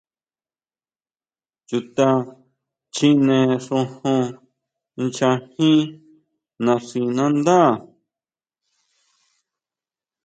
Chuta chine xojon ncha jín naxinandá.